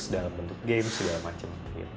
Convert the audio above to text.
dalam bentuk game segala macam